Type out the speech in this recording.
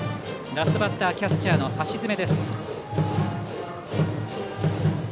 ラストバッターはキャッチャーの橋爪。